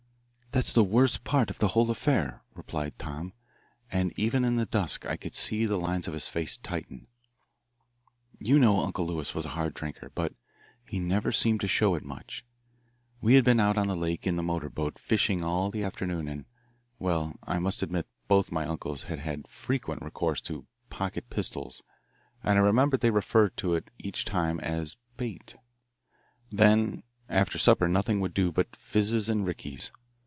"That's the worst part of the whole affair," replied Tom, and even in the dusk I could see the lines of his face tighten. "You know Uncle Lewis was a hard drinker, but he never seemed to show it much. We had been out on the lake in the motor boat fishing all the afternoon and well, I must admit both my uncles had had frequent recourse to 'pocket pistols,' and I remember they referred to it each time as 'bait.' Then after supper nothing would do but fizzes and rickeys.